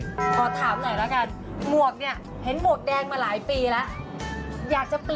หมวกนี่เห็นหมวกแดงมาหลายปีแล้ว